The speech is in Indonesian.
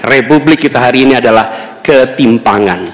republik kita hari ini adalah ketimpangan